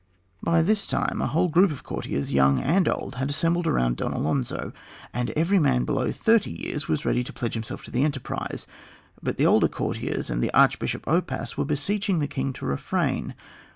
By this time a whole group of courtiers, young and old, had assembled about Don Alonzo, and every man below thirty years was ready to pledge himself to the enterprise. But the older courtiers and the archbishop Oppas were beseeching the king to refrain.